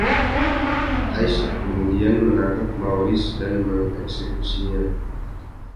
Isaac kemudian menangkap Maurice dan mengeksekusinya.